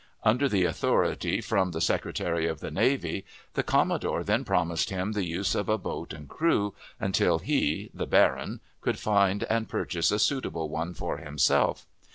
Under the authority from the Secretary of the Navy, the commodore then promised him the use of a boat and crew, until he (the baron) could find and purchase a suitable one for himself.